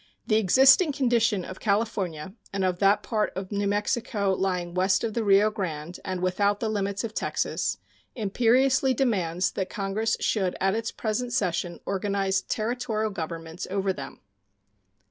The existing condition of California and of that part of New Mexico lying west of the Rio Grande and without the limits of Texas imperiously demands that Congress should at its present session organize Territorial governments over them.